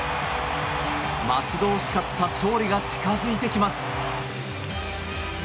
待ち遠しかった勝利が近づいてきます。